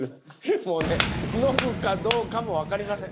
もうねノブかどうかもわかりません。